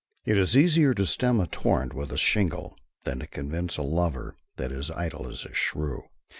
It is easier to stem a torrent with a shingle than convince a lover that his idol is a shrew.